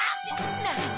なに！